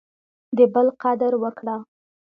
د بل قدر وکړه.